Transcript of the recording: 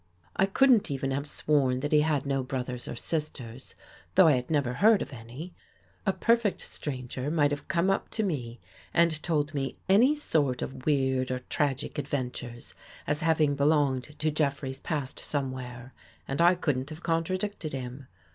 I couldn't even have sworn that he had no brothers or sisters, though I had never heard of any. A per fect stranger might have come up to me and told me any sort of weird or tragic adventures as having belonged to Jeffrey's past somewhere, and I couldn't have contradicted him.